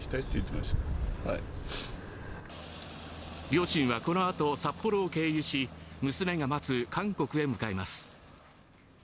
両親はこのあと、札幌を経由し娘が待つ韓国へ向かいます。